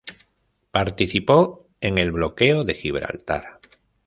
Participó en el bloqueo de Gibraltar.